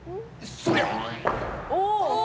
そりゃ！